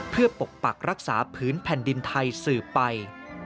เพื่อปกปักรักษาพื้นแผ่นดินไทยสืบไป